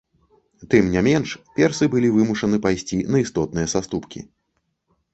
Тым не менш, персы былі вымушаны пайсці на істотныя саступкі.